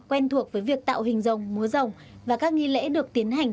quen thuộc với việc tạo hình dòng múa dòng và các nghi lễ được tiến hành